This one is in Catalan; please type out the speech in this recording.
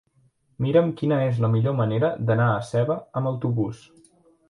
Mira'm quina és la millor manera d'anar a Seva amb autobús.